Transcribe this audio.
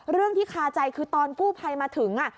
เรื่องที่คาใจคือตอนกู้ภัยมาถึง